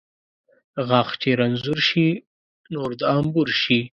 غاښ چې رنځور شي ، نور د انبور شي .